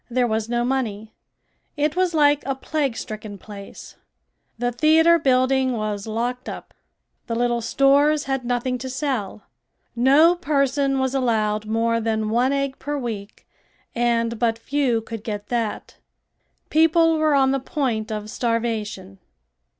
There was no money. It was like a plague stricken place. The theater building was locked up. The little stores had nothing to sell. No person was allowed more than one egg per week and but few could get that. People were on the point of starvation.